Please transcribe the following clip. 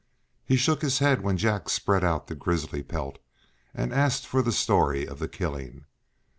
He shook his head when Jack spread out the grizzly pelt, and asked for the story of the killing.